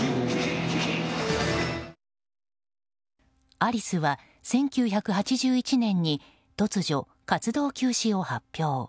アリスは、１９８１年に突如、活動休止を発表。